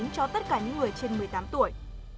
cho tất cả những người trên một mươi tám tuổi